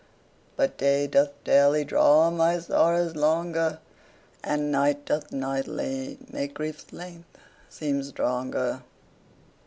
But day doth daily draw my sorrows longer, And night doth nightly make grief's length seem stronger.